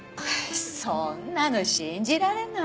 そんなの信じられない。